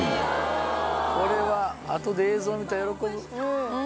これは後で映像見たら喜ぶ。